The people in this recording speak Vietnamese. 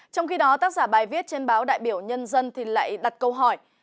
trong khi đó tác giả bài viết trên báo đại biểu nhân dân thì lại đặt câu hỏi